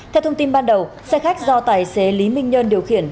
theo thông tin ban đầu xe khách do tài xế lý minh nhân điều khiển